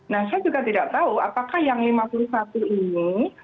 nah saya juga tidak tahu apakah yang lima puluh satu ini